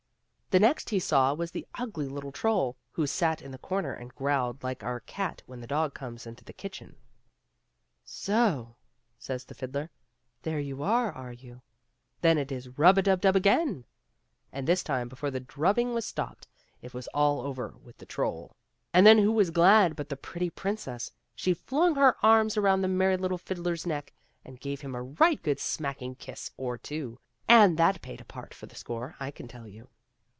The next he saw was the ugly little troll, who sat in the comer and growled like our cat when the dog comes into the kitchen. " So !'* says the fiddler, " there you are, are you ? Then it is rub a dub dub again.*' And this time before the drubbing was stopped it was all over with the troll. And then who was glad but the pretty princess. She flung her arms around the merry little fiddler's neck, and gave him a right good smacking kiss or two, and that paid a part of the score, I can tell you.